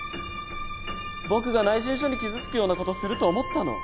僕が内申書に傷つくようなことすると思ったの？